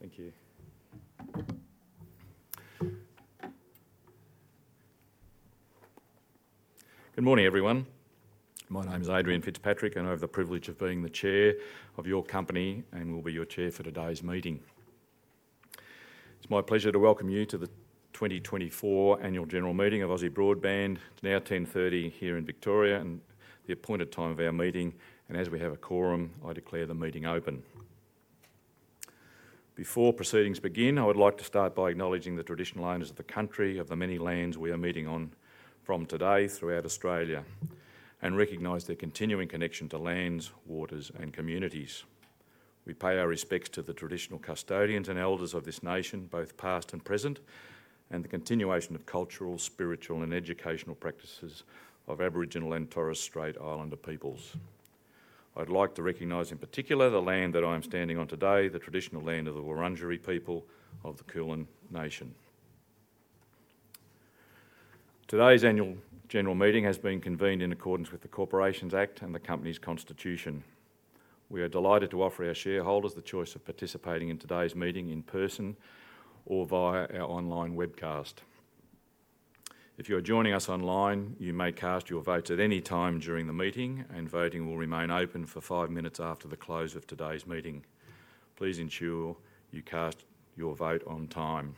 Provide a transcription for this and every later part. Thank you. Good morning, everyone. My name is Adrian Fitzpatrick, and I have the privilege of being the chair of your company and will be your chair for today's meeting. It's my pleasure to welcome you to the 2024 Annual General Meeting of Aussie Broadband. It's now 10:30 A.M. here in Victoria, and the appointed time of our meeting, and as we have a quorum, I declare the meeting open. Before proceedings begin, I would like to start by acknowledging the Traditional Owners of the country, of the many lands we are meeting on from today throughout Australia, and recognize their continuing connection to lands, waters, and communities. We pay our respects to the Traditional Custodians and Elders of this nation, both past and present, and the continuation of cultural, spiritual, and educational practices of Aboriginal and Torres Strait Islander peoples. I'd like to recognize, in particular, the land that I am standing on today, the traditional land of the Wurundjeri people of the Kulin Nation. Today's annual general meeting has been convened in accordance with the Corporations Act and the Company's Constitution. We are delighted to offer our shareholders the choice of participating in today's meeting in person or via our online webcast. If you are joining us online, you may cast your votes at any time during the meeting, and voting will remain open for five minutes after the close of today's meeting. Please ensure you cast your vote on time.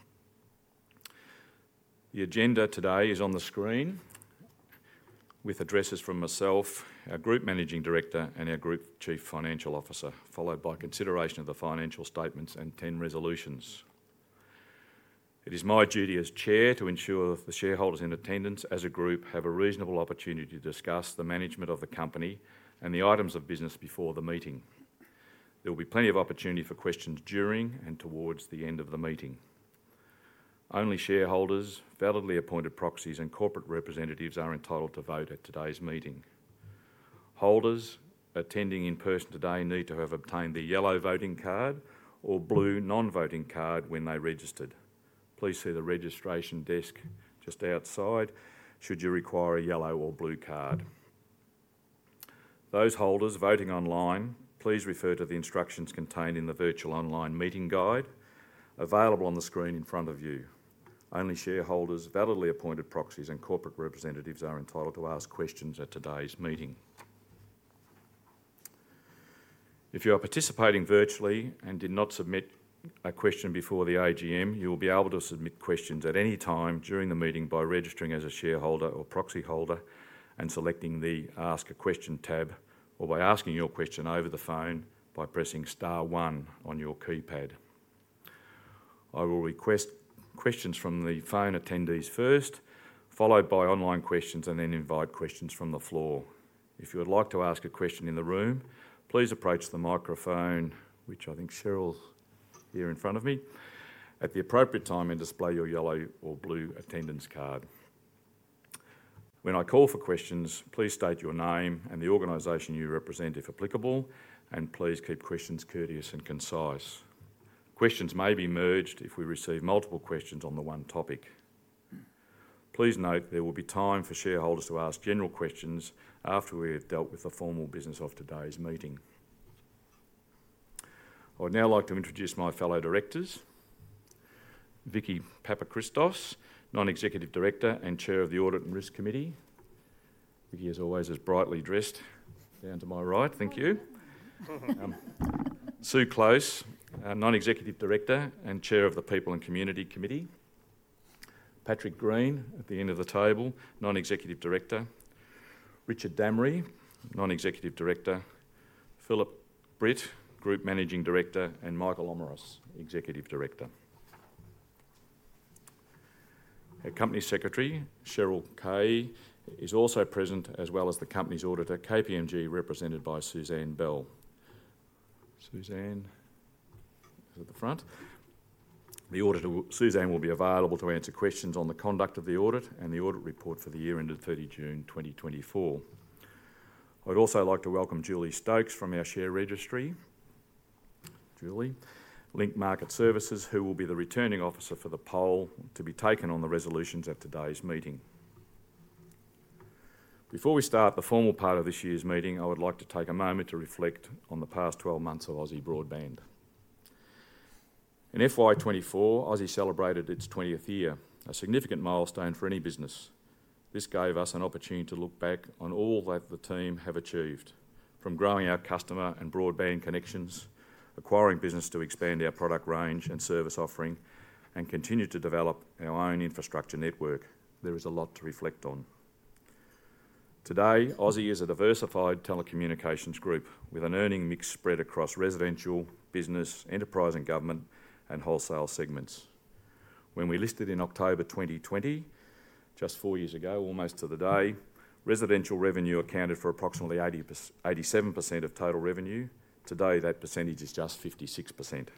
The agenda today is on the screen, with addresses from myself, our Group Managing Director, and our Group Chief Financial Officer, followed by consideration of the financial statements and ten resolutions. It is my duty as chair to ensure that the shareholders in attendance as a group have a reasonable opportunity to discuss the management of the company and the items of business before the meeting. There will be plenty of opportunity for questions during and towards the end of the meeting. Only shareholders, validly appointed proxies, and corporate representatives are entitled to vote at today's meeting. Holders attending in person today need to have obtained the yellow voting card or blue non-voting card when they registered. Please see the registration desk just outside should you require a yellow or blue card. Those holders voting online, please refer to the instructions contained in the virtual online meeting guide available on the screen in front of you. Only shareholders, validly appointed proxies, and corporate representatives are entitled to ask questions at today's meeting. If you are participating virtually and did not submit a question before the AGM, you will be able to submit questions at any time during the meeting by registering as a shareholder or proxy holder and selecting the Ask a Question tab, or by asking your question over the phone by pressing star one on your keypad. I will request questions from the phone attendees first, followed by online questions, and then invite questions from the floor. If you would like to ask a question in the room, please approach the microphone, which I think Cheryl's here in front of me, at the appropriate time, and display your yellow or blue attendance card. When I call for questions, please state your name and the organization you represent, if applicable, and please keep questions courteous and concise. Questions may be merged if we receive multiple questions on the one topic. Please note there will be time for shareholders to ask general questions after we have dealt with the formal business of today's meeting. I would now like to introduce my fellow directors: Vicky Papachristos, Non-Executive Director and Chair of the Audit and Risk Committee. Vicky, as always, is brightly dressed, down to my right. Thank you. Sue Klose, Non-Executive Director and Chair of the People and Community Committee. Patrick Greene, at the end of the table, Non-Executive Director. Richard Dammery, Non-Executive Director. Phillip Britt, Group Managing Director, and Michael Omeros, Executive Director. Our Company Secretary, Cheryl Cai, is also present, as well as the company's auditor, KPMG, represented by Suzanne Bell. Suzanne is at the front. The auditor, Suzanne, will be available to answer questions on the conduct of the audit and the audit report for the year ended thirty June 2024. I'd also like to welcome Julie Stokes from our share registry. Julie, Link Market Services, who will be the Returning Officer for the poll to be taken on the resolutions at today's meeting. Before we start the formal part of this year's meeting, I would like to take a moment to reflect on the past twelve months of Aussie Broadband. In FY 2024, Aussie celebrated its twentieth year, a significant milestone for any business. This gave us an opportunity to look back on all that the team have achieved. From growing our customer and broadband connections, acquiring business to expand our product range and service offering, and continue to develop our own infrastructure network, there is a lot to reflect on. Today, Aussie is a diversified telecommunications group with an earning mix spread across residential, business, enterprise and government, and wholesale segments. When we listed in October 2020, just four years ago, almost to the day, residential revenue accounted for approximately 87% of total revenue. Today, that percentage is just 56%.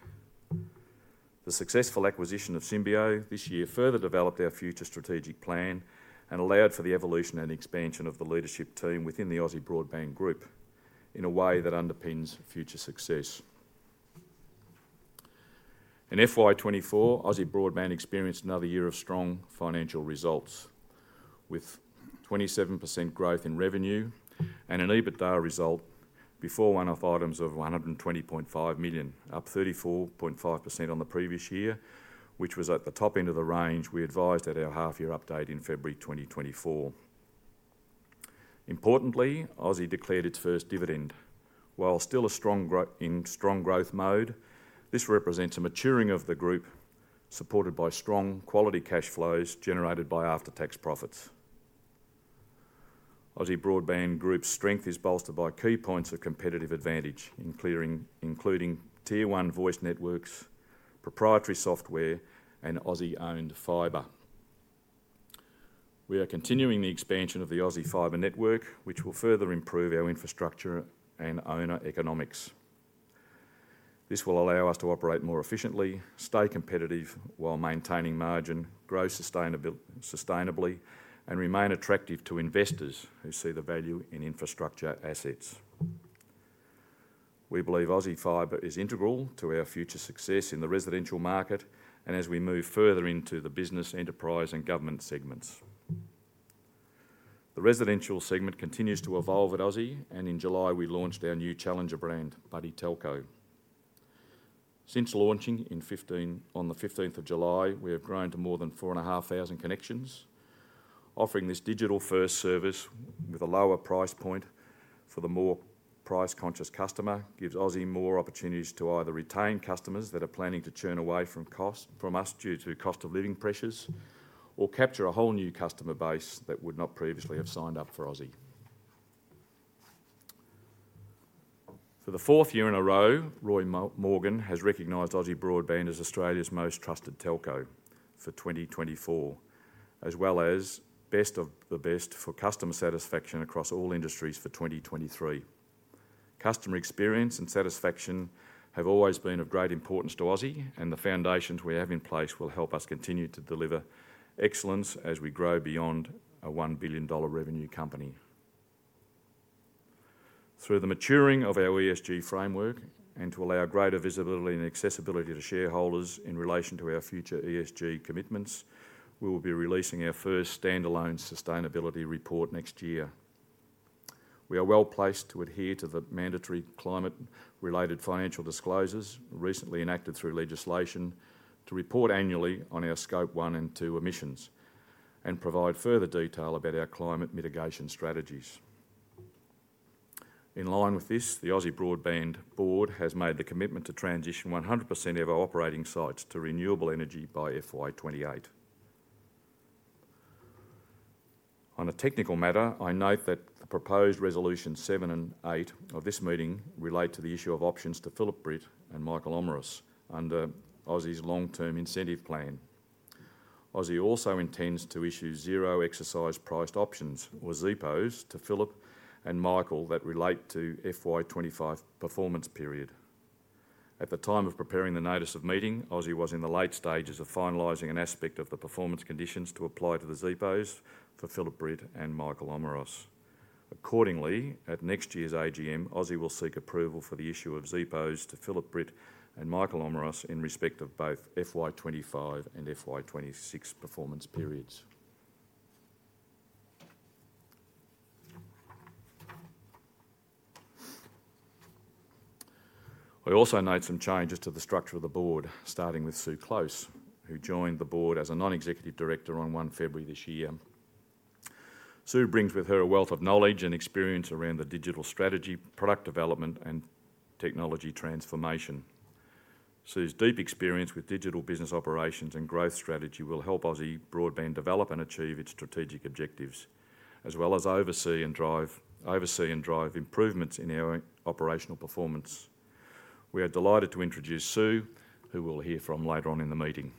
The successful acquisition of Symbio this year further developed our future strategic plan and allowed for the evolution and expansion of the leadership team within the Aussie Broadband Group in a way that underpins future success. In FY 2024, Aussie Broadband experienced another year of strong financial results... with 27% growth in revenue and an EBITDA result before one-off items of 120.5 million, up 34.5% on the previous year, which was at the top end of the range we advised at our half-year update in February 2024. Importantly, Aussie declared its first dividend. While still in strong growth mode, this represents a maturing of the group, supported by strong quality cash flows generated by after-tax profits. Aussie Broadband Group's strength is bolstered by key points of competitive advantage, including Tier 1 voice networks, proprietary software, and Aussie-owned fibre. We are continuing the expansion of the Aussie Fibre Network, which will further improve our infrastructure and owner economics. This will allow us to operate more efficiently, stay competitive while maintaining margin, grow sustainably, and remain attractive to investors who see the value in infrastructure assets. We believe Aussie Fibre is integral to our future success in the residential market, and as we move further into the business, enterprise, and government segments. The residential segment continues to evolve at Aussie, and in July, we launched our new challenger brand, Buddy Telco. Since launching in 2015, on the fifteenth of July, we have grown to more than 4,500 connections. Offering this digital-first service with a lower price point for the more price-conscious customer, gives Aussie more opportunities to either retain customers that are planning to churn away from us due to cost of living pressures, or capture a whole new customer base that would not previously have signed up for Aussie. For the fourth year in a row, Roy Morgan has recognized Aussie Broadband as Australia's Most Trusted Telco for 2024, as well as Best of the Best for customer satisfaction across all industries for 2023. Customer experience and satisfaction have always been of great importance to Aussie, and the foundations we have in place will help us continue to deliver excellence as we grow beyond a 1 billion dollar revenue company. Through the maturing of our ESG framework and to allow greater visibility and accessibility to shareholders in relation to our future ESG commitments, we will be releasing our first standalone sustainability report next year. We are well-placed to adhere to the mandatory climate-related financial disclosures, recently enacted through legislation, to report annually on our Scope 1 and 2 emissions and provide further detail about our climate mitigation strategies. In line with this, the Aussie Broadband Board has made the commitment to transition 100% of our operating sites to renewable energy by FY 2028. On a technical matter, I note that the proposed Resolution 7 and 8 of this meeting relate to the issue of options to Phillip Britt and Michael Omeros under Aussie's Long-Term Incentive Plan. Aussie also intends to issue Zero Exercise Price Options, or ZEPOs, to Phillip and Michael that relate to FY 2025 performance period. At the time of preparing the notice of meeting, Aussie was in the late stages of finalising an aspect of the performance conditions to apply to the ZEPOs for Phillip Britt and Michael Omeros. Accordingly, at next year's AGM, Aussie will seek approval for the issue of ZEPOs to Phillip Britt and Michael Omeros in respect of both FY 2025 and FY 2026 performance periods. I also note some changes to the structure of the board, starting with Sue Klose, who joined the board as a non-executive director on 1 February this year. Sue brings with her a wealth of knowledge and experience around the digital strategy, product development, and technology transformation. Sue's deep experience with digital business operations and growth strategy will help Aussie Broadband develop and achieve its strategic objectives, as well as oversee and drive improvements in our operational performance. We are delighted to introduce Sue, who we'll hear from later on in the meeting.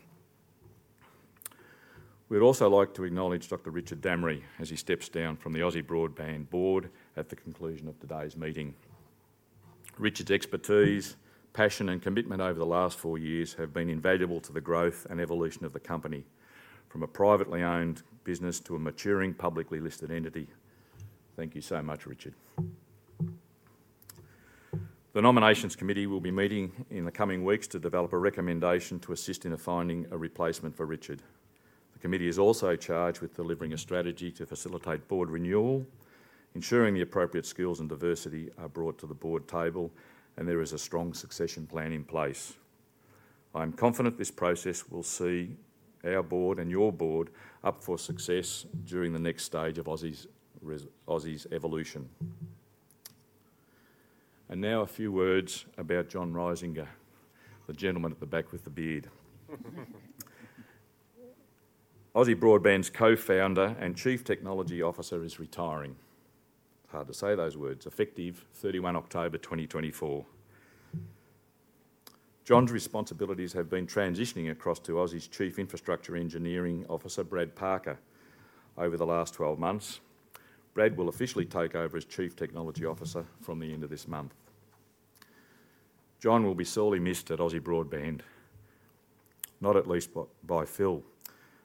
We'd also like to acknowledge Dr. Richard Dammery, as he steps down from the Aussie Broadband Board at the conclusion of today's meeting. Richard's expertise, passion, and commitment over the last four years have been invaluable to the growth and evolution of the company, from a privately owned business to a maturing, publicly listed entity. Thank you so much, Richard. The Nominations Committee will be meeting in the coming weeks to develop a recommendation to assist in finding a replacement for Richard. The committee is also charged with delivering a strategy to facilitate board renewal, ensuring the appropriate skills and diversity are brought to the board table, and there is a strong succession plan in place. I'm confident this process will see our board and your board up for success during the next stage of Aussie's evolution. And now, a few words about John Reisinger, the gentleman at the back with the beard. Aussie Broadband's Co-founder and Chief Technology Officer is retiring, hard to say those words, effective 31 October 2024. John's responsibilities have been transitioning across to Aussie's Chief Infrastructure Engineering Officer, Brad Parker, over the last twelve months. Brad will officially take over as Chief Technology Officer from the end of this month. John will be sorely missed at Aussie Broadband, not at least by Phil,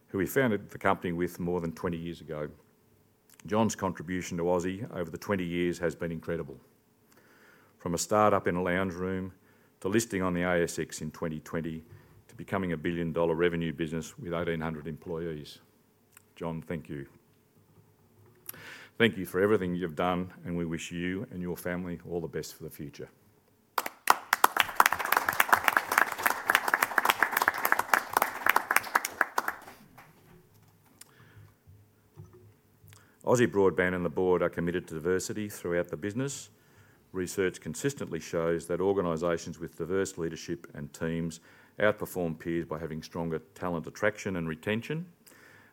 who he founded the company with more than twenty years ago. John's contribution to Aussie over the twenty years has been incredible.... From a startup in a lounge room, to listing on the ASX in 2020, to becoming a billion-dollar revenue business with 1800 employees. John, thank you. Thank you for everything you've done, and we wish you and your family all the best for the future. Aussie Broadband and the board are committed to diversity throughout the business. Research consistently shows that organizations with diverse leadership and teams outperform peers by having stronger talent attraction and retention,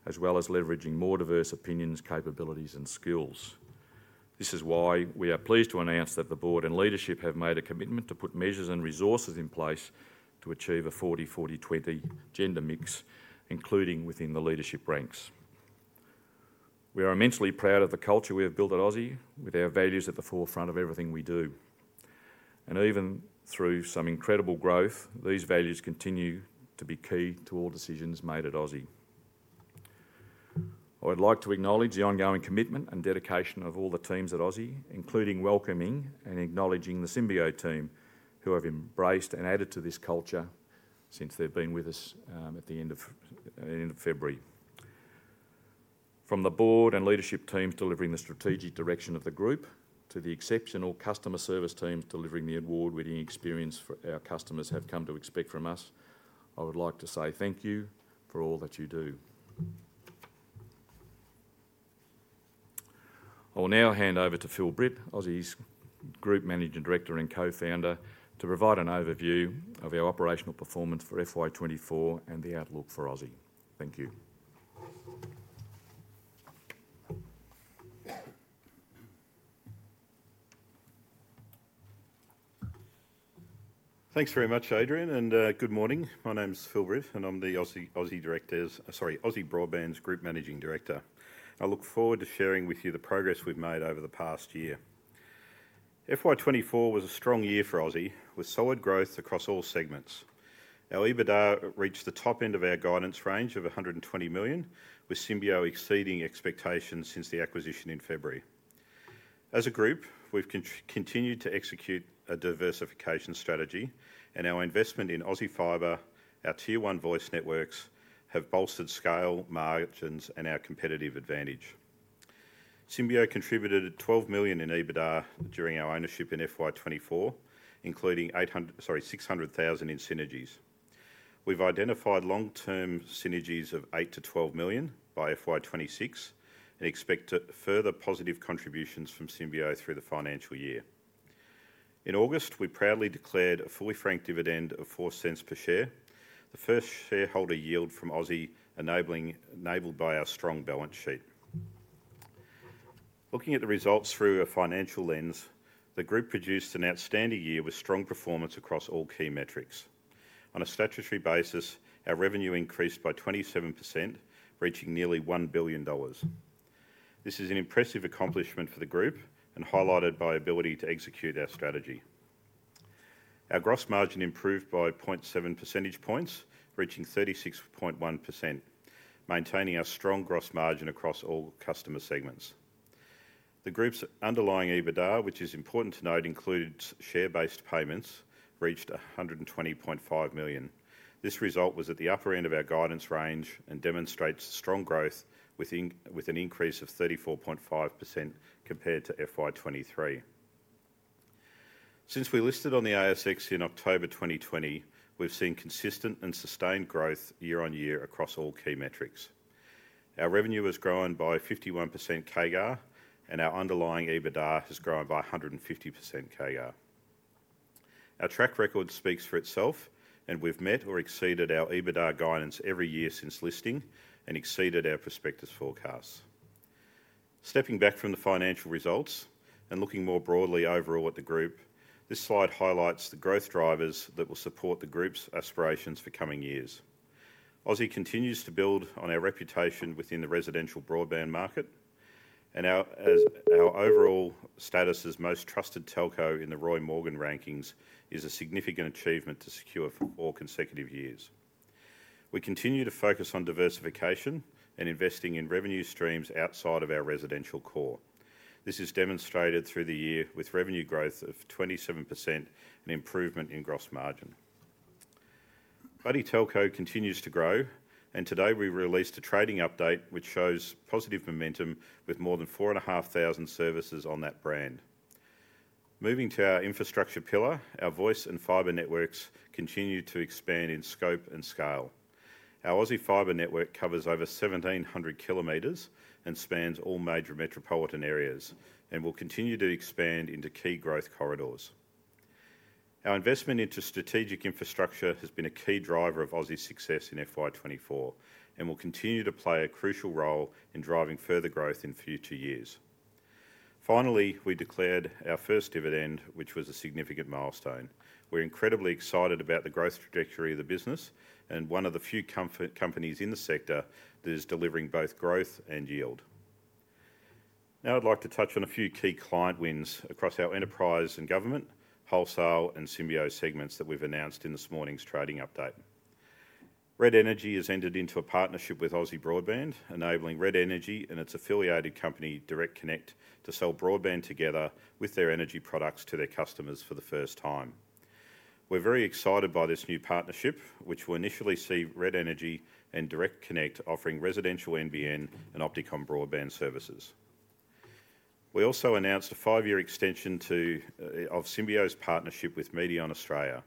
as well as leveraging more diverse opinions, capabilities, and skills. This is why we are pleased to announce that the board and leadership have made a commitment to put measures and resources in place to achieve a 40/40/20 gender mix, including within the leadership ranks. We are immensely proud of the culture we have built at Aussie, with our values at the forefront of everything we do. Even through some incredible growth, these values continue to be key to all decisions made at Aussie. I would like to acknowledge the ongoing commitment and dedication of all the teams at Aussie, including welcoming and acknowledging the Symbio team, who have embraced and added to this culture since they've been with us at the end of February. From the board and leadership teams delivering the strategic direction of the group, to the exceptional customer service teams delivering the award-winning experience for our customers have come to expect from us, I would like to say thank you for all that you do. I will now hand over to Phillip Britt, Aussie's Group Managing Director and Co-Founder, to provide an overview of our operational performance for FY 2024 and the outlook for Aussie. Thank you. Thanks very much, Adrian, and good morning. My name is Phil Britt, and I'm Aussie Broadband's Group Managing Director. I look forward to sharing with you the progress we've made over the past year. FY 2024 was a strong year for Aussie, with solid growth across all segments. Our EBITDA reached the top end of our guidance range of 120 million, with Symbio exceeding expectations since the acquisition in February. As a group, we've continued to execute a diversification strategy, and our investment in Aussie Fibre, our Tier 1 voice networks, have bolstered scale, margins, and our competitive advantage. Symbio contributed 12 million in EBITDA during our ownership in FY 2024, including 600,000 in synergies. We've identified long-term synergies of 8 million to 12 million by FY 2026 and expect further positive contributions from Symbio through the financial year. In August, we proudly declared a fully franked dividend of 0.04 per share, the first shareholder yield from Aussie, enabling, enabled by our strong balance sheet. Looking at the results through a financial lens, the group produced an outstanding year with strong performance across all key metrics. On a statutory basis, our revenue increased by 27%, reaching nearly 1 billion dollars. This is an impressive accomplishment for the group and highlighted by ability to execute our strategy. Our gross margin improved by 0.7 percentage points, reaching 36.1%, maintaining our strong gross margin across all customer segments. The group's underlying EBITDA, which is important to note, includes share-based payments, reached 120.5 million. This result was at the upper end of our guidance range and demonstrates strong growth within, with an increase of 34.5% compared to FY 2023. Since we listed on the ASX in October 2020, we've seen consistent and sustained growth year on year across all key metrics. Our revenue has grown by 51% CAGR, and our underlying EBITDA has grown by 150% CAGR. Our track record speaks for itself, and we've met or exceeded our EBITDA guidance every year since listing and exceeded our prospectus forecasts. Stepping back from the financial results and looking more broadly overall at the group, this slide highlights the growth drivers that will support the group's aspirations for coming years. Aussie continues to build on our reputation within the residential broadband market, and our overall status as most trusted telco in the Roy Morgan rankings is a significant achievement to secure for four consecutive years. We continue to focus on diversification and investing in revenue streams outside of our residential core. This is demonstrated through the year with revenue growth of 27% and improvement in gross margin. Buddy Telco continues to grow, and today we released a trading update, which shows positive momentum with more than 4,500 services on that brand. Moving to our infrastructure pillar, our voice and fiber networks continue to expand in scope and scale. Our Aussie Fibre network covers over 1,700 km and spans all major metropolitan areas and will continue to expand into key growth corridors. Our investment into strategic infrastructure has been a key driver of Aussie's success in FY 2024 and will continue to play a crucial role in driving further growth in future years. Finally, we declared our first dividend, which was a significant milestone. We're incredibly excited about the growth trajectory of the business and one of the few companies in the sector that is delivering both growth and yield. Now, I'd like to touch on a few key client wins across our enterprise and government, wholesale, and Symbio segments that we've announced in this morning's trading update. Red Energy has entered into a partnership with Aussie Broadband, enabling Red Energy and its affiliated company, Direct Connect, to sell broadband together with their energy products to their customers for the first time. We're very excited by this new partnership, which will initially see Red Energy and Direct Connect offering residential NBN and OptiComm broadband services. We also announced a five-year extension to of Symbio's partnership with Medion Australia.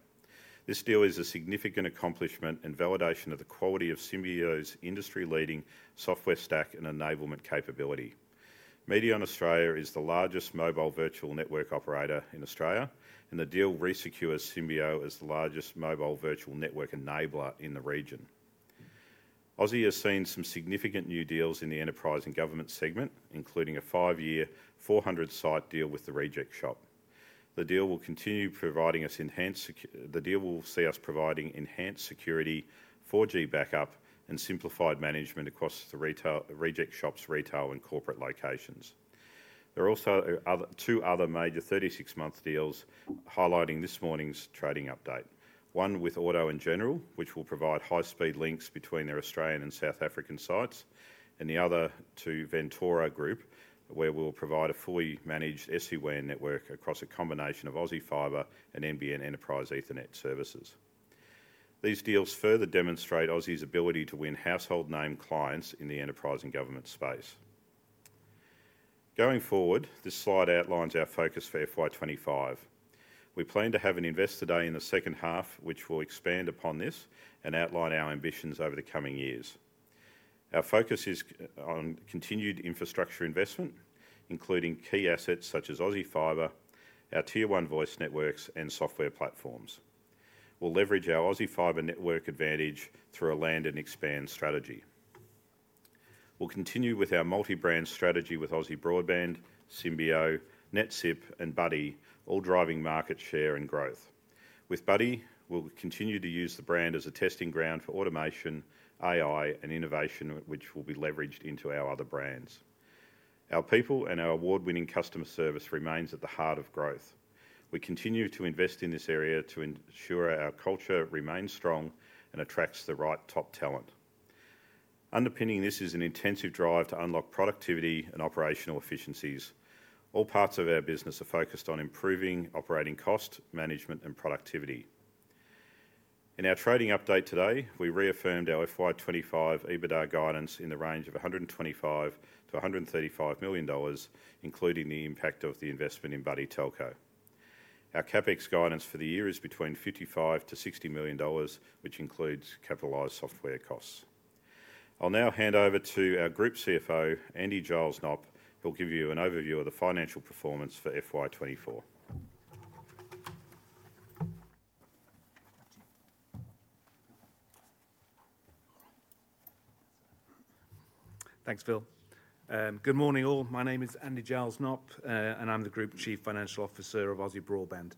This deal is a significant accomplishment and validation of the quality of Symbio's industry-leading software stack and enablement capability. Medion Australia is the largest mobile virtual network operator in Australia, and the deal resecures Symbio as the largest mobile virtual network enabler in the region. Aussie has seen some significant new deals in the enterprise and government segment, including a five-year, four hundred-site deal with The Reject Shop. The deal will see us providing enhanced security, 4G backup, and simplified management across the retail, The Reject Shop's retail and corporate locations. There are also two other major thirty-six-month deals highlighting this morning's trading update. One with Auto & General, which will provide high-speed links between their Australian and South African sites, and the other to Ventora Group, where we'll provide a fully managed SD-WAN network across a combination of Aussie Fibre and NBN Enterprise Ethernet services. These deals further demonstrate Aussie's ability to win household name clients in the enterprise and government space. Going forward, this slide outlines our focus for FY 2025. We plan to have an investor day in the second half, which will expand upon this and outline our ambitions over the coming years. Our focus is on continued infrastructure investment, including key assets such as Aussie Fibre, our Tier 1 voice networks, and software platforms. We'll leverage our Aussie Fibre network advantage through a land and expand strategy. We'll continue with our multi-brand strategy with Aussie Broadband, Symbio, NetSIP, and Buddy, all driving market share and growth. With Buddy, we'll continue to use the brand as a testing ground for automation, AI, and innovation, which will be leveraged into our other brands. Our people and our award-winning customer service remains at the heart of growth. We continue to invest in this area to ensure our culture remains strong and attracts the right top talent. Underpinning this is an intensive drive to unlock productivity and operational efficiencies. All parts of our business are focused on improving operating cost, management, and productivity. In our trading update today, we reaffirmed our FY 2025 EBITDA guidance in the range of 125-135 million dollars, including the impact of the investment in Buddy Telco. Our CapEx guidance for the year is between 55-60 million dollars, which includes capitalized software costs. I'll now hand over to our Group CFO, Andy Giles Knopp, who'll give you an overview of the financial performance for FY 2024. Thanks, Phil. Good morning, all. My name is Andy Giles Knopp, and I'm the Group Chief Financial Officer of Aussie Broadband.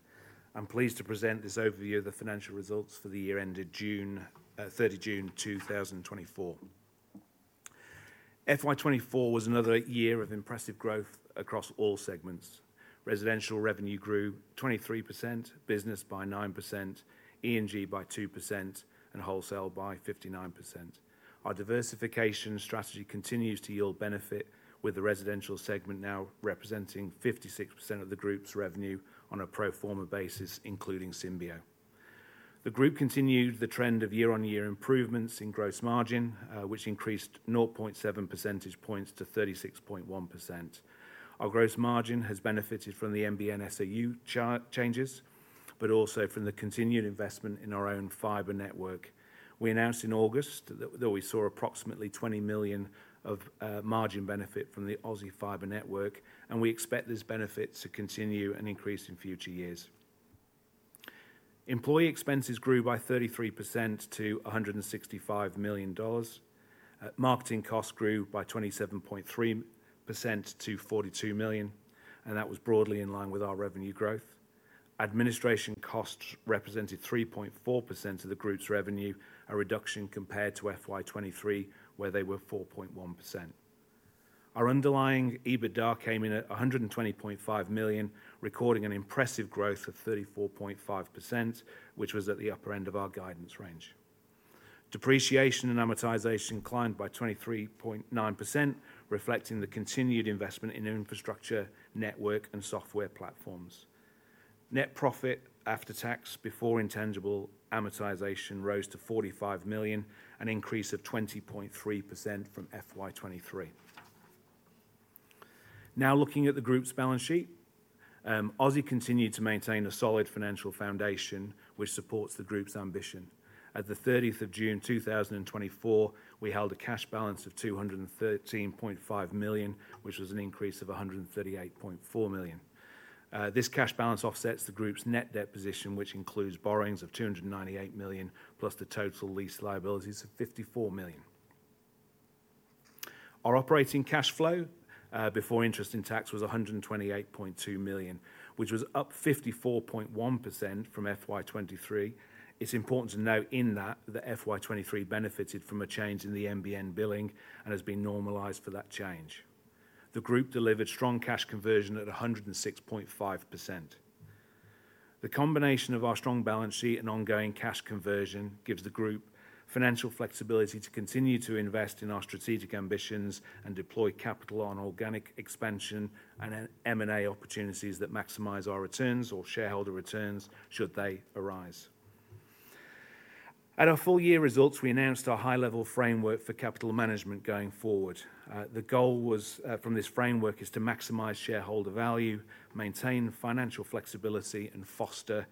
I'm pleased to present this overview of the financial results for the year ended 30 June 2024. FY24 was another year of impressive growth across all segments. Residential revenue grew 23%, business by 9%, E&G by 2%, and wholesale by 59%. Our diversification strategy continues to yield benefit, with the residential segment now representing 56% of the group's revenue on a pro forma basis, including Symbio. The group continued the trend of year-on-year improvements in gross margin, which increased 0.7 percentage points to 36.1%. Our gross margin has benefited from the NBN changes, but also from the continued investment in our own fibre network. We announced in August that we saw approximately 20 million of margin benefit from the Aussie Fibre network, and we expect this benefit to continue and increase in future years. Employee expenses grew by 33% to 165 million dollars. Marketing costs grew by 27.3% to 42 million, and that was broadly in line with our revenue growth. Administration costs represented 3.4% of the group's revenue, a reduction compared to FY 2023, where they were 4.1%. Our underlying EBITDA came in at 120.5 million, recording an impressive growth of 34.5%, which was at the upper end of our guidance range. Depreciation and amortization climbed by 23.9%, reflecting the continued investment in infrastructure, network, and software platforms. Net profit after tax, before intangible amortization, rose to 45 million, an increase of 20.3% from FY 2023. Now, looking at the group's balance sheet, Aussie continued to maintain a solid financial foundation, which supports the group's ambition. At the 30th of June 2024, we held a cash balance of 213.5 million, which was an increase of 138.4 million. This cash balance offsets the group's net debt position, which includes borrowings of 298 million, plus the total lease liabilities of 54 million. Our operating cash flow, before interest and tax, was 128.2 million, which was up 54.1% from FY 2023. It's important to note that FY 2023 benefited from a change in the NBN billing and has been normalized for that change. The group delivered strong cash conversion at 106.5%. The combination of our strong balance sheet and ongoing cash conversion gives the group financial flexibility to continue to invest in our strategic ambitions and deploy capital on organic expansion and M&A opportunities that maximize our returns or shareholder returns, should they arise. At our full-year results, we announced our high-level framework for capital management going forward. The goal was, from this framework, is to maximize shareholder value, maintain financial flexibility, and foster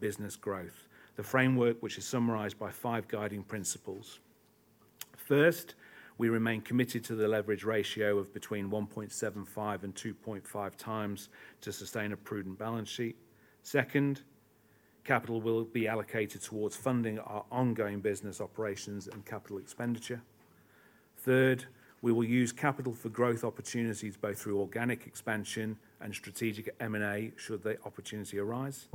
business growth. The framework, which is summarized by five guiding principles: First, we remain committed to the leverage ratio of between 1.75 and 2.5 times to sustain a prudent balance sheet. Second, capital will be allocated towards funding our ongoing business operations and capital expenditure. Third, we will use capital for growth opportunities, both through organic expansion and strategic M&A, should the opportunity arise.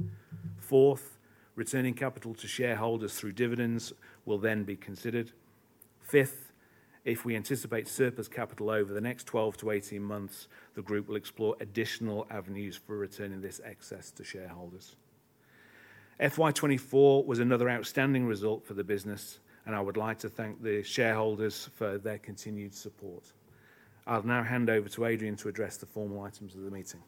Fourth, returning capital to shareholders through dividends will then be considered. Fifth, if we anticipate surplus capital over the next twelve to eighteen months, the group will explore additional avenues for returning this excess to shareholders. FY 2024 was another outstanding result for the business, and I would like to thank the shareholders for their continued support. I'll now hand over to Adrian to address the formal items of the meeting.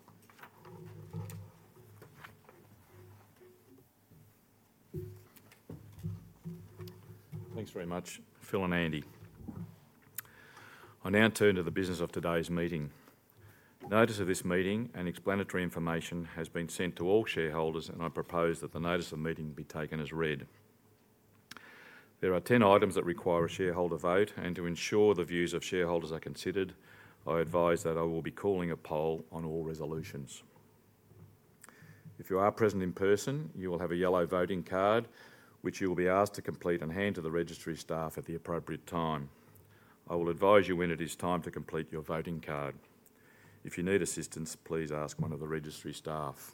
Thanks very much, Phil and Andy. I now turn to the business of today's meeting. Notice of this meeting and explanatory information has been sent to all shareholders, and I propose that the notice of meeting be taken as read. There are 10 items that require a shareholder vote, and to ensure the views of shareholders are considered, I advise that I will be calling a poll on all resolutions. If you are present in person, you will have a yellow voting card, which you will be asked to complete and hand to the registry staff at the appropriate time. I will advise you when it is time to complete your voting card. If you need assistance, please ask one of the registry staff.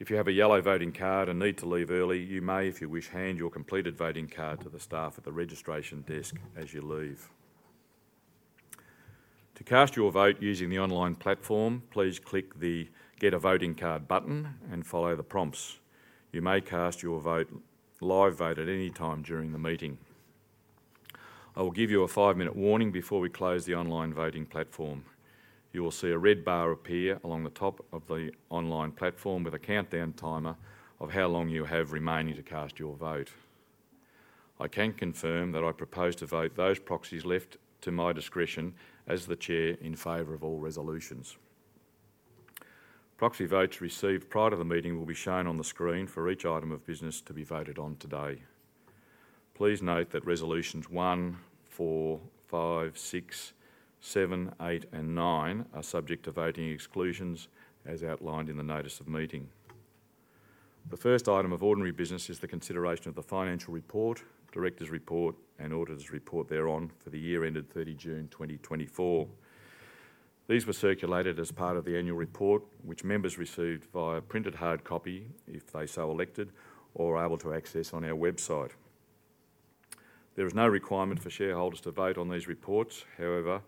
If you have a yellow voting card and need to leave early, you may, if you wish, hand your completed voting card to the staff at the registration desk as you leave. To cast your vote using the online platform, please click the Get a Voting Card button and follow the prompts. You may cast your vote, live vote, at any time during the meeting. I will give you a five-minute warning before we close the online voting platform. You will see a red bar appear along the top of the online platform with a countdown timer of how long you have remaining to cast your vote. I can confirm that I propose to vote those proxies left to my discretion as the Chair in favor of all resolutions. Proxy votes received prior to the meeting will be shown on the screen for each item of business to be voted on today. Please note that resolutions one, four, five, six, seven, eight, and nine are subject to voting exclusions, as outlined in the notice of meeting. The first item of ordinary business is the consideration of the financial report, directors' report, and auditors' report thereon for the year ended thirty June 2024. These were circulated as part of the annual report, which members received via printed hard copy, if they so elected, or are able to access on our website. There is no requirement for shareholders to vote on these reports. However,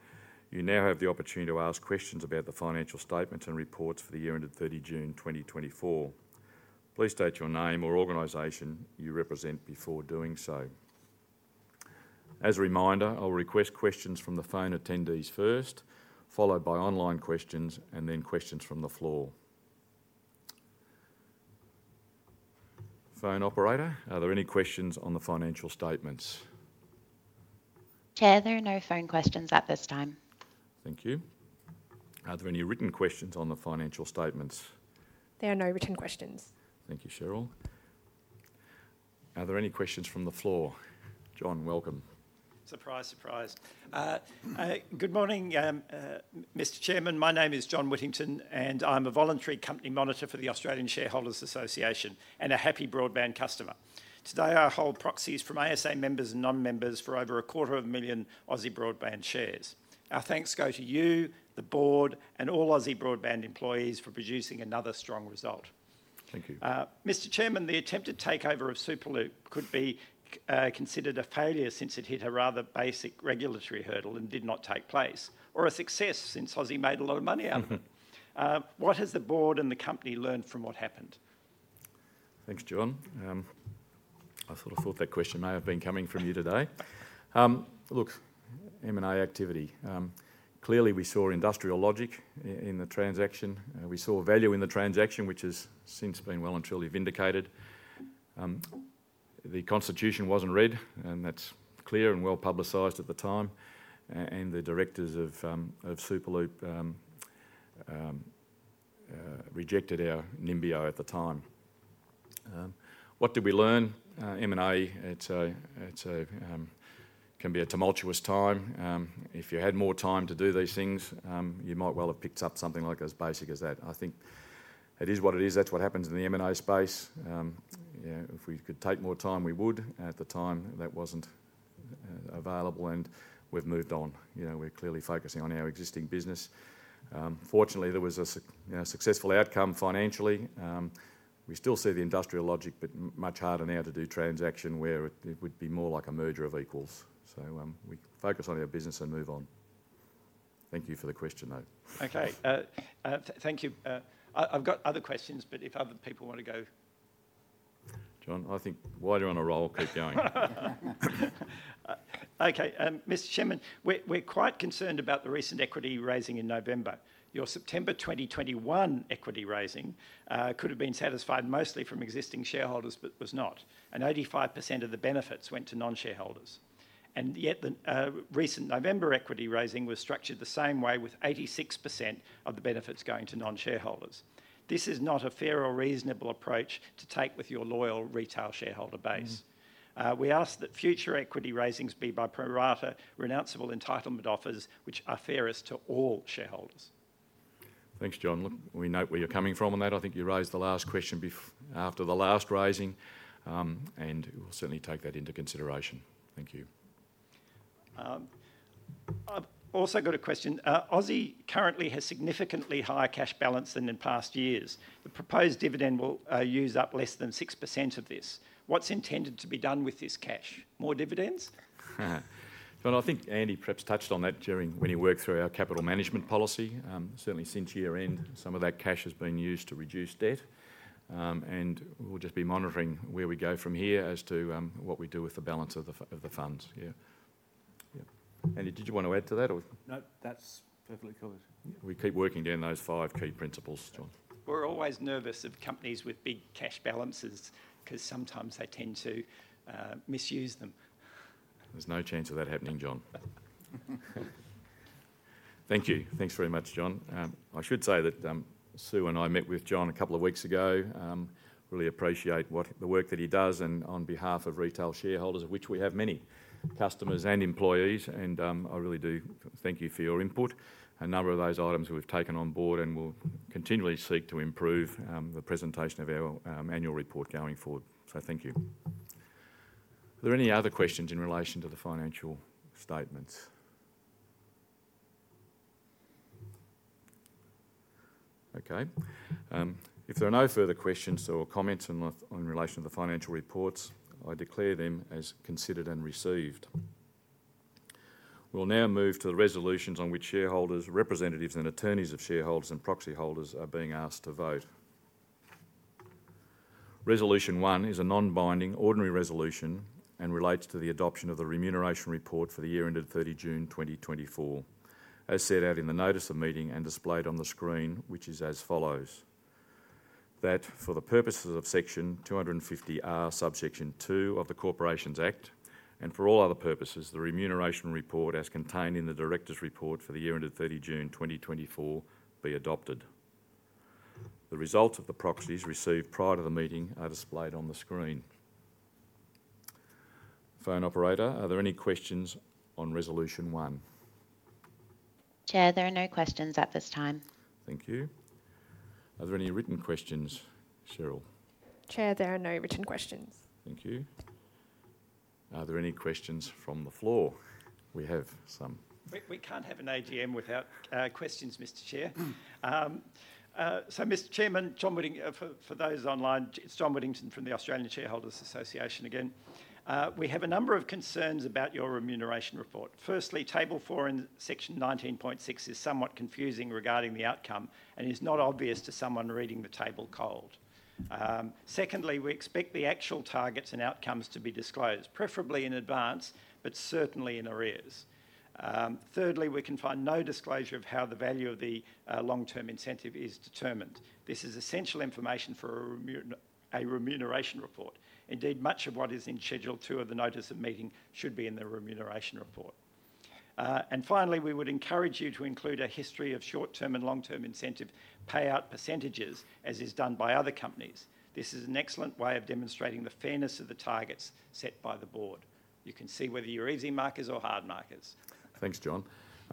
you now have the opportunity to ask questions about the financial statements and reports for the year ended thirty June 2024. Please state your name or organization you represent before doing so. As a reminder, I will request questions from the phone attendees first, followed by online questions, and then questions from the floor. Phone operator, are there any questions on the financial statements? Chair, there are no phone questions at this time. Thank you. Are there any written questions on the financial statements? There are no written questions. Thank you, Cheryl. Are there any questions from the floor? John, welcome. Surprise, surprise. Good morning, Mr. Chairman. My name is John Whittington, and I'm a voluntary company monitor for the Australian Shareholders Association and a happy broadband customer. Today, I hold proxies from ASA members and non-members for over a quarter of a million Aussie Broadband shares. Our thanks go to you, the board, and all Aussie Broadband employees for producing another strong result. Thank you. Mr. Chairman, the attempted takeover of Superloop could be considered a failure since it hit a rather basic regulatory hurdle and did not take place, or a success since Aussie made a lot of money out of it. What has the board and the company learned from what happened? Thanks, John. I sort of thought that question may have been coming from you today. Look, M&A activity. Clearly, we saw industrial logic in the transaction. We saw value in the transaction, which has since been well and truly vindicated. The Constitution wasn't read, and that's clear and well-publicized at the time. And the directors of Superloop rejected our bid at the time. What did we learn? M&A, it can be a tumultuous time. If you had more time to do these things, you might well have picked up something like as basic as that. I think it is what it is. That's what happens in the M&A space. You know, if we could take more time, we would. At the time, that wasn't available, and we've moved on. You know, we're clearly focusing on our existing business. Fortunately, there was, you know, a successful outcome financially. We still see the industrial logic, but much harder now to do transaction where it would be more like a merger of equals. So, we focus on our business and move on. Thank you for the question, though. Okay, thank you. I've got other questions, but if other people wanna go. John, I think while you're on a roll, keep going. Mr. Chairman, we're quite concerned about the recent equity raising in November. Your September 2021 equity raising could have been satisfied mostly from existing shareholders but was not, and 85% of the benefits went to non-shareholders. Yet, the recent November equity raising was structured the same way, with 86% of the benefits going to non-shareholders. This is not a fair or reasonable approach to take with your loyal retail shareholder base. Mm-hmm. We ask that future equity raisings be by pro rata renounceable entitlement offers, which are fairest to all shareholders. Thanks, John. Look, we note where you're coming from on that. I think you raised the last question after the last raising, and we'll certainly take that into consideration. Thank you. I've also got a question. Aussie currently has significantly higher cash balance than in past years. The proposed dividend will use up less than 6% of this. What's intended to be done with this cash? More dividends? I think Andy perhaps touched on that during when he worked through our capital management policy. Certainly since year-end, some of that cash has been used to reduce debt, and we'll just be monitoring where we go from here as to what we do with the balance of the funds. Yeah. Yeah. Andy, did you want to add to that or? Nope, that's perfectly covered. We keep working down those five key principles, John. We're always nervous of companies with big cash balances 'cause sometimes they tend to misuse them. There's no chance of that happening, John. Thank you. Thanks very much, John. I should say that, Sue and I met with John a couple of weeks ago. Really appreciate what the work that he does and on behalf of retail shareholders, of which we have many customers and employees, and, I really do thank you for your input. A number of those items we've taken on board and will continually seek to improve, the presentation of our, annual report going forward, so thank you. Are there any other questions in relation to the financial statements? Okay, if there are no further questions or comments in relation to the financial reports, I declare them as considered and received. We'll now move to the resolutions on which shareholders, representatives, and attorneys of shareholders and proxy holders are being asked to vote. Resolution one is a non-binding ordinary resolution and relates to the adoption of the remuneration report for the year ended thirty June, twenty twenty-four, as set out in the notice of meeting and displayed on the screen, which is as follows: That for the purposes of Section 250R, subsection two of the Corporations Act, and for all other purposes, the remuneration report, as contained in the directors' report for the year ended thirty June 2024, be adopted. The results of the proxies received prior to the meeting are displayed on the screen. Phone operator, are there any questions on resolution one? Chair, there are no questions at this time. Thank you. Are there any written questions, Cheryl? Chair, there are no written questions. Thank you. Are there any questions from the floor? We have some. We can't have an AGM without questions, Mr. Chair. So Mr. Chairman, John Whittington. For those online, it's John Whittington from the Australian Shareholders Association again. We have a number of concerns about your remuneration report. Firstly, table four in section nineteen point six is somewhat confusing regarding the outcome and is not obvious to someone reading the table cold. Secondly, we expect the actual targets and outcomes to be disclosed, preferably in advance, but certainly in arrears. Thirdly, we can find no disclosure of how the value of the long-term incentive is determined. This is essential information for a remuneration report. Indeed, much of what is in schedule two of the notice of meeting should be in the remuneration report. And finally, we would encourage you to include a history of short-term and long-term incentive payout percentages, as is done by other companies. This is an excellent way of demonstrating the fairness of the targets set by the board. You can see whether you're easy markers or hard markers. Thanks, John.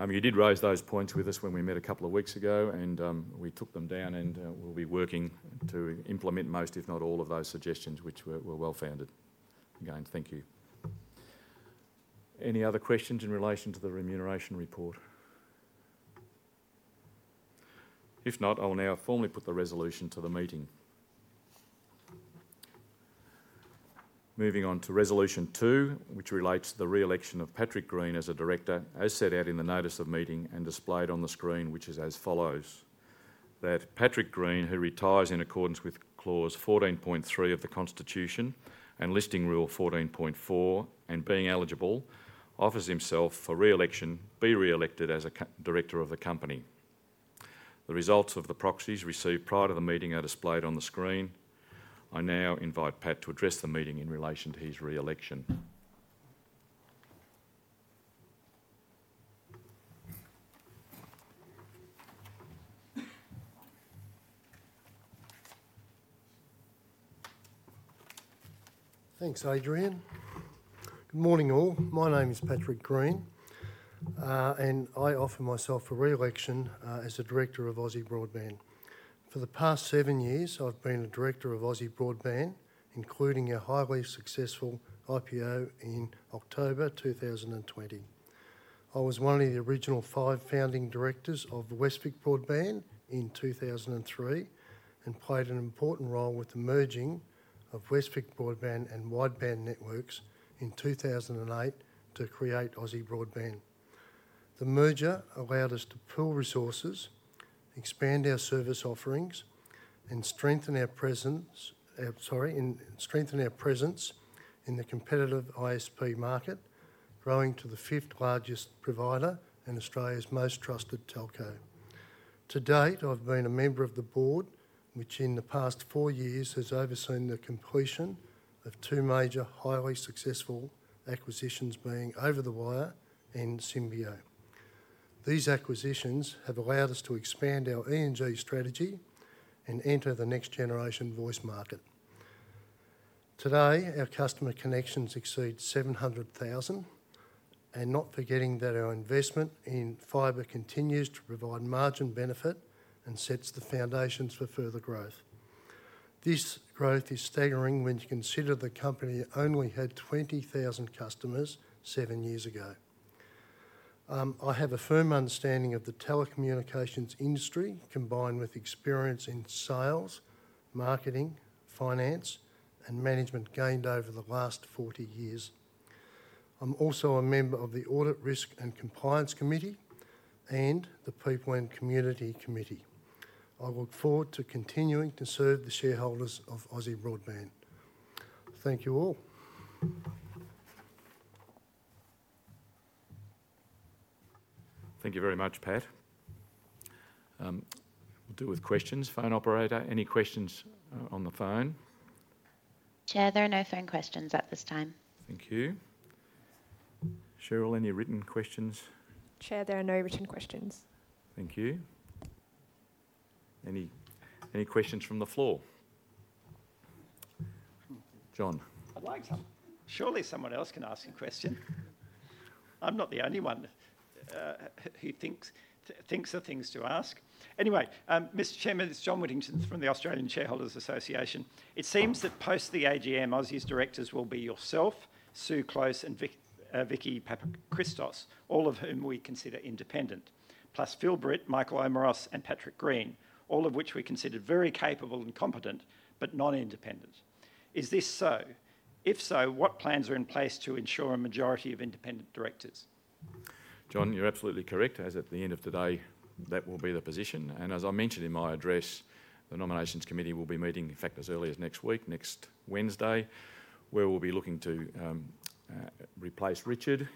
You did raise those points with us when we met a couple of weeks ago, and we took them down, and we'll be working to implement most, if not all, of those suggestions, which were well-founded. Again, thank you. Any other questions in relation to the remuneration report? If not, I will now formally put the resolution to the meeting. Moving on to resolution two, which relates to the re-election of Patrick Greene as a director, as set out in the notice of meeting and displayed on the screen, which is as follows: That Patrick Greene, who retires in accordance with clause fourteen point three of the constitution and Listing Rule fourteen point four, and being eligible, offers himself for re-election, be re-elected as a director of the company. The results of the proxies received prior to the meeting are displayed on the screen. I now invite Pat to address the meeting in relation to his re-election. Thanks, Adrian. Good morning, all. My name is Patrick Greene, and I offer myself for re-election as a director of Aussie Broadband. For the past seven years, I've been a director of Aussie Broadband, including a highly successful IPO in October 2020. I was one of the original five founding directors of Westvic Broadband in 2003 and played an important role with the merging of Westvic Broadband and Wideband Networks in 2008 to create Aussie Broadband.... The merger allowed us to pool resources, expand our service offerings, and strengthen our presence in the competitive ISP market, growing to the fifth largest provider and Australia's most trusted telco. To date, I've been a member of the board, which in the past four years has overseen the completion of two major highly successful acquisitions, being Over the Wire and Symbio. These acquisitions have allowed us to expand our NGN strategy and enter the next generation voice market. Today, our customer connections exceed seven hundred thousand, and not forgetting that our investment in fiber continues to provide margin benefit and sets the foundations for further growth. This growth is staggering when you consider the company only had twenty thousand customers seven years ago. I have a firm understanding of the telecommunications industry, combined with experience in sales, marketing, finance, and management gained over the last forty years. I'm also a member of the Audit, Risk, and Compliance Committee and the People and Community Committee. I look forward to continuing to serve the shareholders of Aussie Broadband. Thank you all. Thank you very much, Pat. We'll deal with questions. Phone operator, any questions on the phone? Chair, there are no phone questions at this time. Thank you. Cheryl, any written questions? Chair, there are no written questions. Thank you. Any questions from the floor? John. I'd like some. Surely someone else can ask a question. I'm not the only one who thinks of things to ask. Anyway, Mr. Chairman, it's John Whittington from the Australian Shareholders Association. It seems that post the AGM, Aussie's directors will be yourself, Sue Klose, and Vicky Papachristos, all of whom we consider independent, plus Phil Britt, Michael Omeros, and Patrick Greene, all of which we consider very capable and competent, but not independent. Is this so? If so, what plans are in place to ensure a majority of independent directors? John, you're absolutely correct, as at the end of the day, that will be the position. And as I mentioned in my address, the Nominations Committee will be meeting, in fact, as early as next week, next Wednesday, where we'll be looking to replace Richard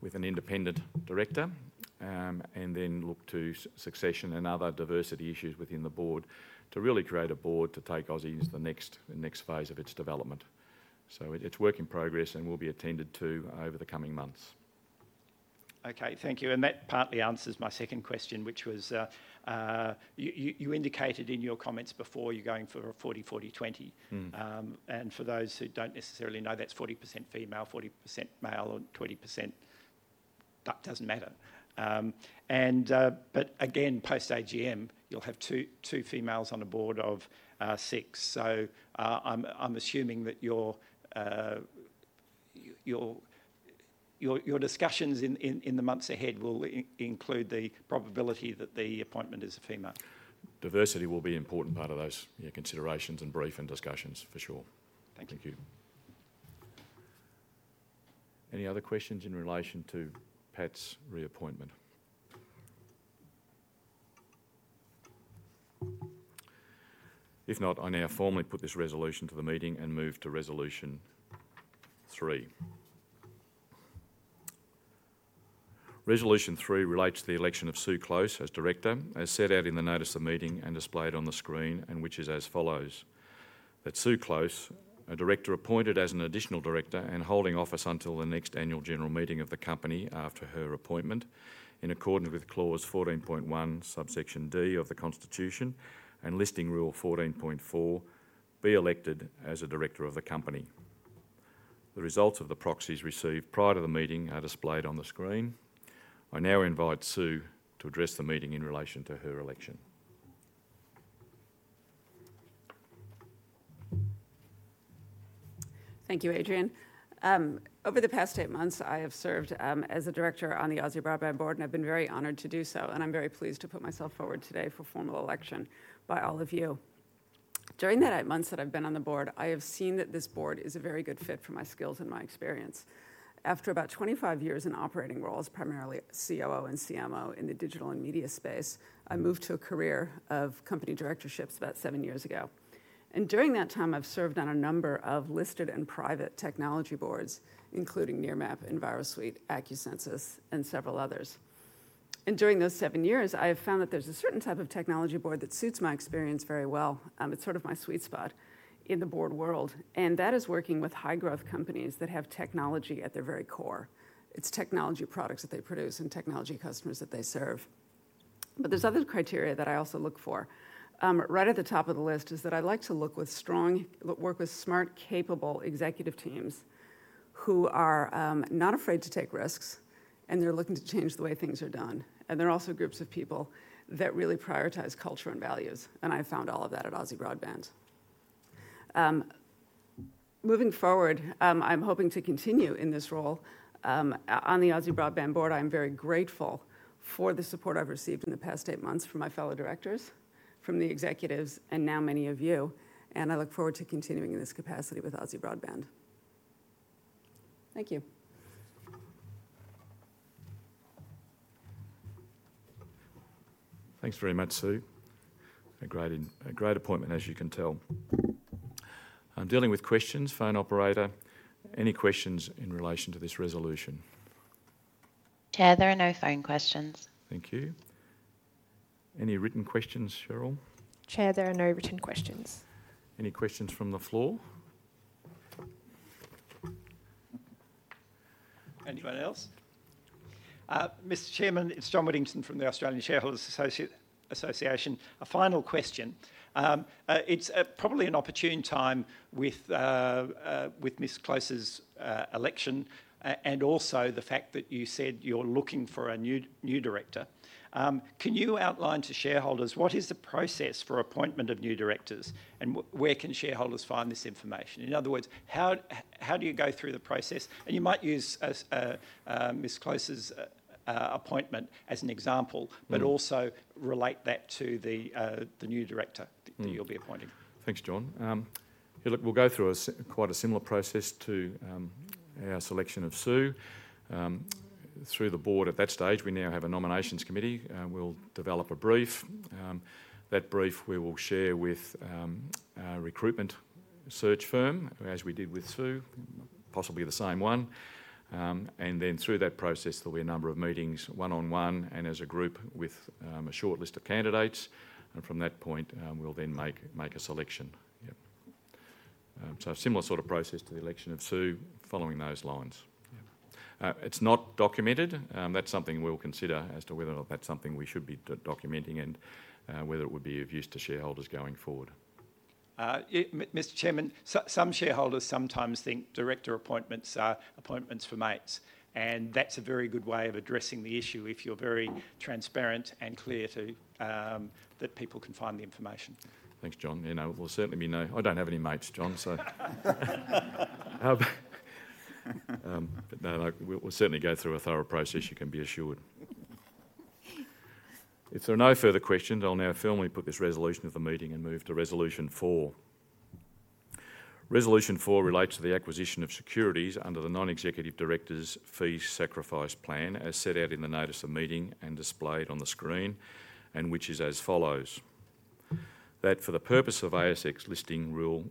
with an independent director, and then look to succession and other diversity issues within the board to really create a board to take Aussie into the next phase of its development. So it's work in progress and will be attended to over the coming months. Okay, thank you, and that partly answers my second question, which was, you indicated in your comments before, you're going for a forty, forty, twenty. Mm. And for those who don't necessarily know, that's 40% female, 40% male, and 20%... That doesn't matter. And, but again, post-AGM, you'll have two females on a board of six. So, I'm assuming that your discussions in the months ahead will include the probability that the appointment is a female. Diversity will be an important part of those, yeah, considerations and briefs and discussions, for sure. Thank you. Thank you. Any other questions in relation to Pat's reappointment? If not, I now formally put this resolution to the meeting and move to Resolution three. Resolution three relates to the election of Sue Klose as director, as set out in the notice of meeting and displayed on the screen, and which is as follows: That Sue Klose, a director appointed as an additional director and holding office until the next annual general meeting of the company after her appointment, in accordance with Clause 14.1, subsection D of the Constitution and Listing Rule 14.4, be elected as a director of the company. The results of the proxies received prior to the meeting are displayed on the screen. I now invite Sue to address the meeting in relation to her election. Thank you, Adrian. Over the past eight months, I have served as a director on the Aussie Broadband board, and I've been very honored to do so, and I'm very pleased to put myself forward today for formal election by all of you. During the eight months that I've been on the board, I have seen that this board is a very good fit for my skills and my experience. After about twenty-five years in operating roles, primarily COO and CMO in the digital and media space, I moved to a career of company directorships about seven years ago, and during that time, I've served on a number of listed and private technology boards, including Nearmap, Envirosuite, Acusensus, and several others, and during those seven years, I have found that there's a certain type of technology board that suits my experience very well. It's sort of my sweet spot in the board world, and that is working with high-growth companies that have technology at their very core. It's technology products that they produce and technology customers that they serve. But there's other criteria that I also look for. Right at the top of the list is that I like to work with smart, capable executive teams who are not afraid to take risks, and they're looking to change the way things are done, and they're also groups of people that really prioritize culture and values, and I found all of that at Aussie Broadband. Moving forward, I'm hoping to continue in this role on the Aussie Broadband board. I'm very grateful for the support I've received in the past eight months from my fellow directors.... from the executives, and now many of you, and I look forward to continuing in this capacity with Aussie Broadband. Thank you. Thanks very much, Sue. A great appointment, as you can tell. I'm dealing with questions. Phone operator, any questions in relation to this resolution? Chair, there are no phone questions. Thank you. Any written questions, Cheryl? Chair, there are no written questions. Any questions from the floor? Anyone else? Mr. Chairman, it's John Whittington from the Australian Shareholders Association. A final question. It's probably an opportune time with Ms. Close's election and also the fact that you said you're looking for a new director. Can you outline to shareholders what is the process for appointment of new directors, and where can shareholders find this information? In other words, how do you go through the process? And you might use Ms. Close's appointment as an example. Mm... but also relate that to the new director- Mm that you'll be appointing. Thanks, John. Yeah, look, we'll go through quite a similar process to our selection of Sue. Through the board at that stage, we now have a nominations committee. We'll develop a brief. That brief we will share with our recruitment search firm, as we did with Sue, possibly the same one. And then through that process, there'll be a number of meetings, one-on-one, and as a group with a short list of candidates, and from that point, we'll then make a selection. Yeah. So a similar sort of process to the election of Sue, following those lines. Yeah. It's not documented. That's something we'll consider as to whether or not that's something we should be documenting and whether it would be of use to shareholders going forward. Mr. Chairman, some shareholders sometimes think director appointments are appointments for mates, and that's a very good way of addressing the issue, if you're very transparent and clear to that people can find the information. Thanks, John. You know, we'll certainly be no... I don't have any mates, John, so. But no, like, we'll, we'll certainly go through a thorough process, you can be assured. If there are no further questions, I'll now formally put this resolution to the meeting and move to Resolution Four. Resolution Four relates to the acquisition of securities under the Non-Executive Director Fee Sacrifice Plan, as set out in the notice of meeting and displayed on the screen, and which is as follows: That for the purpose of ASX Listing Rule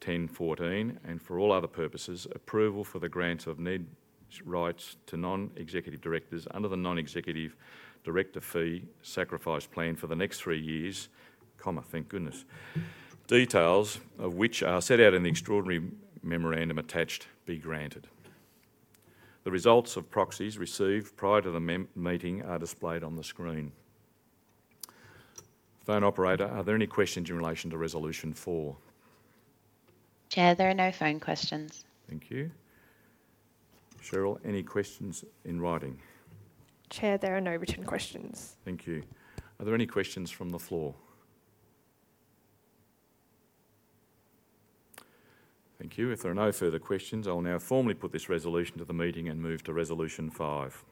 10.14, and for all other purposes, approval for the grant of NED Rights to non-executive directors under the Non-Executive Director Fee Sacrifice Plan for the next three years, comma, thank goodness, details of which are set out in the explanatory memorandum attached, be granted. The results of proxies received prior to the meeting are displayed on the screen. Phone operator, are there any questions in relation to Resolution Four? Chair, there are no phone questions. Thank you. Cheryl, any questions in writing? Chair, there are no written questions. Thank you. Are there any questions from the floor? Thank you. If there are no further questions, I'll now formally put this resolution to the meeting and move to Resolution Five.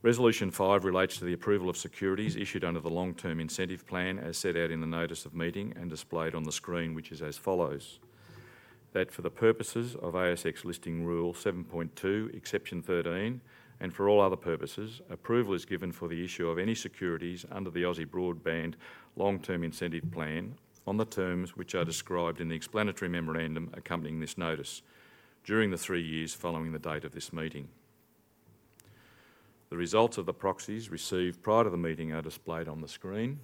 Resolution Five relates to the approval of securities issued under the Long-Term Incentive Plan, as set out in the notice of meeting and displayed on the screen, which is as follows: That for the purposes of ASX Listing Rule 7.2, Exception 13, and for all other purposes, approval is given for the issue of any securities under the Aussie Broadband Long-Term Incentive Plan on the terms which are described in the explanatory memorandum accompanying this notice, during the three years following the date of this meeting. The results of the proxies received prior to the meeting are displayed on the screen.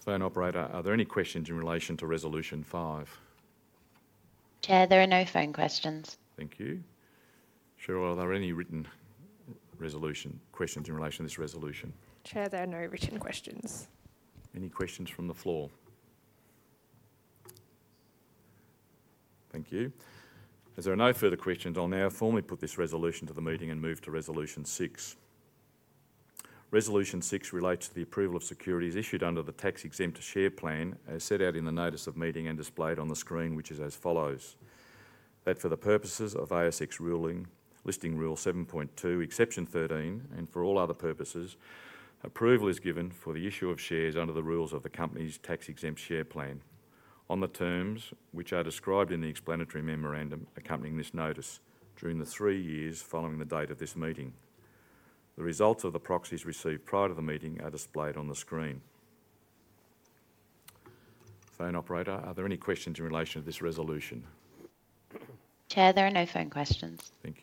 Phone operator, are there any questions in relation to Resolution Five? Chair, there are no phone questions. Thank you. Cheryl, are there any written resolution, questions in relation to this resolution? Chair, there are no written questions. Any questions from the floor? Thank you. As there are no further questions, I'll now formally put this resolution to the meeting and move to Resolution Six. Resolution Six relates to the approval of securities issued under the Tax Exempt Share Plan, as set out in the notice of meeting and displayed on the screen, which is as follows: That for the purposes of ASX ruling, Listing Rule 7.2, Exception 13, and for all other purposes, approval is given for the issue of shares under the rules of the company's Tax Exempt Share Plan on the terms which are described in the explanatory memorandum accompanying this notice, during the three years following the date of this meeting. The results of the proxies received prior to the meeting are displayed on the screen. Phone operator, are there any questions in relation to this resolution? Chair, there are no phone questions. Thank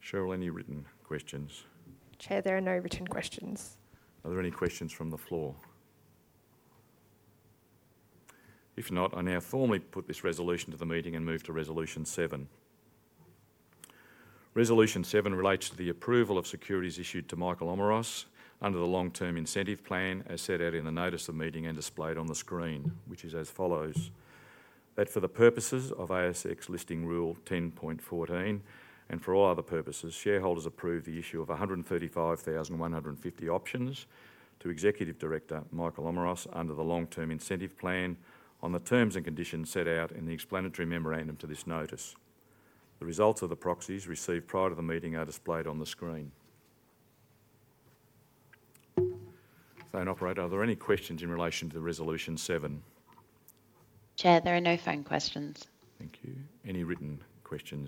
you. Cheryl, any written questions? Chair, there are no written questions. Are there any questions from the floor? If not, I now formally put this resolution to the meeting and move to Resolution Seven. Resolution Seven relates to the approval of securities issued to Michael Omeros under the Long-Term Incentive Plan, as set out in the notice of meeting and displayed on the screen, which is as follows: That for the purposes of ASX Listing Rule 10.14, and for all other purposes, shareholders approve the issue of one hundred and thirty-five thousand one hundred and fifty options to Executive Director Michael Omeros under the Long-Term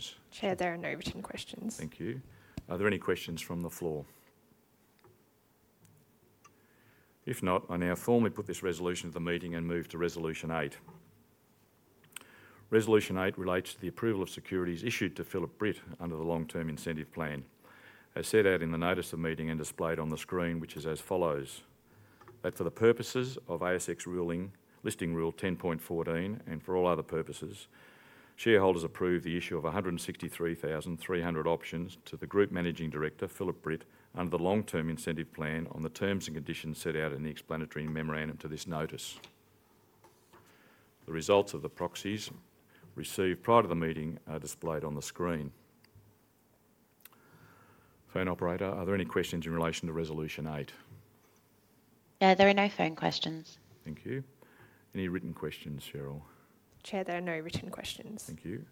Chair, there are no written questions. Thank you.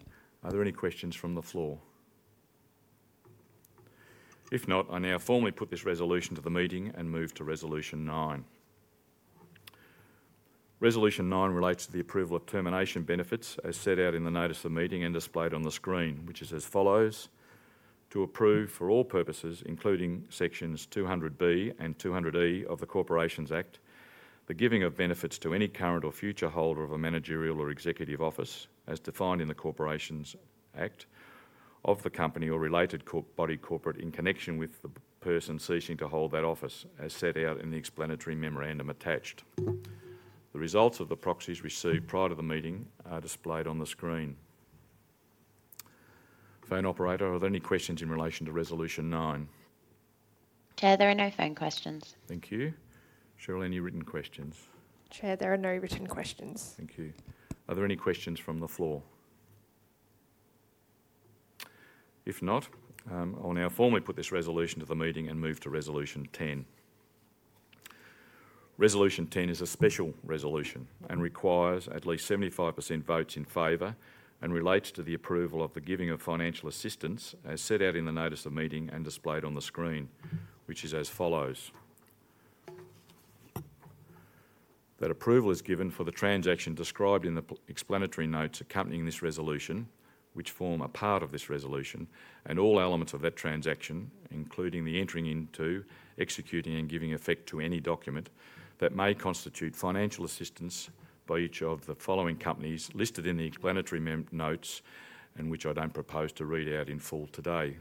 Are there any questions from the floor? If not, I now formally put this resolution to the meeting and move to Resolution Nine. Resolution Nine relates to the approval of termination benefits, as set out in the notice of meeting and displayed on the screen, which is as follows: To approve, for all purposes, including Sections 200B and 200E of the Corporations Act, the giving of benefits to any current or future holder of a managerial or executive office, as defined in the Corporations Act of the company or related body corporate, in connection with the person ceasing to hold that office, as set out in the explanatory memorandum attached. The results of the proxies received prior to the meeting are displayed on the screen. Phone operator, are there any questions in relation to Resolution Nine? Chair, there are no phone questions. Thank you. Cheryl, any written questions? Chair, there are no written questions. Thank you. Are there any questions from the floor? If not, I will now formally put this resolution to the meeting and move to Resolution 10. Resolution 10 is a special resolution and requires at least 75% votes in favor, and relates to the approval of the giving of financial assistance, as set out in the notice of meeting and displayed on the screen, which is as follows: That approval is given for the transaction described in the explanatory notes accompanying this resolution, which form a part of this resolution, and all elements of that transaction, including the entering into, executing, and giving effect to any document that may constitute financial assistance by each of the following companies listed in the explanatory notes, and which I don't propose to read out in full today.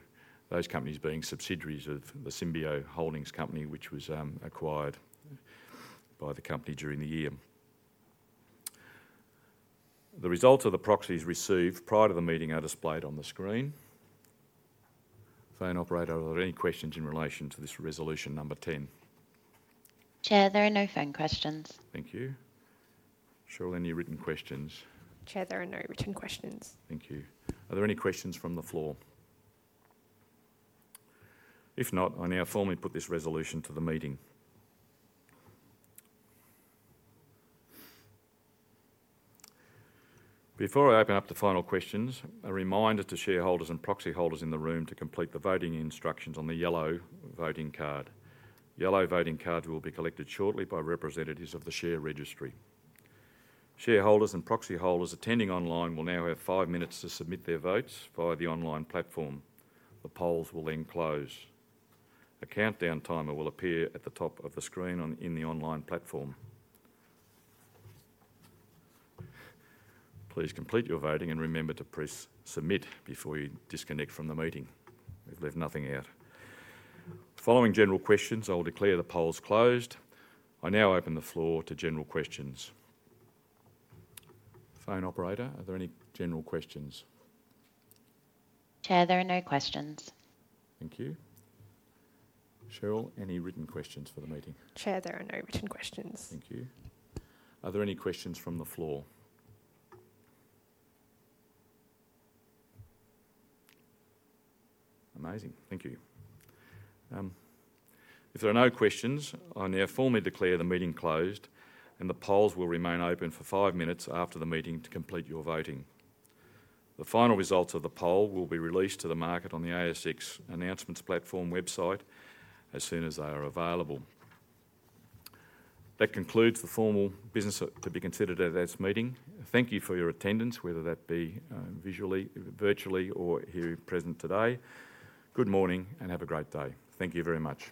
Those companies being subsidiaries of the Symbio Holdings company, which was acquired by the company during the year. The results of the proxies received prior to the meeting are displayed on the screen. Phone operator, are there any questions in relation to this Resolution number ten? Chair, there are no phone questions. Thank you. Cheryl, any written questions? Chair, there are no written questions. Thank you. Are there any questions from the floor? If not, I now formally put this resolution to the meeting. Before I open up to final questions, a reminder to shareholders and proxy holders in the room to complete the voting instructions on the yellow voting card. Yellow voting cards will be collected shortly by representatives of the share registry. Shareholders and proxy holders attending online will now have five minutes to submit their votes via the online platform. The polls will then close. A countdown timer will appear at the top of the screen in the online platform. Please complete your voting and remember to press Submit before you disconnect from the meeting. We've left nothing out. Following general questions, I will declare the polls closed. I now open the floor to general questions. Phone operator, are there any general questions? Chair, there are no questions. Thank you. Cheryl, any written questions for the meeting? Chair, there are no written questions. Thank you. Are there any questions from the floor? Amazing. Thank you. If there are no questions, I now formally declare the meeting closed, and the polls will remain open for five minutes after the meeting to complete your voting. The final results of the poll will be released to the market on the ASX announcements platform website as soon as they are available. That concludes the formal business to be considered at this meeting. Thank you for your attendance, whether that be, visually, virtually, or here present today. Good morning, and have a great day. Thank you very much.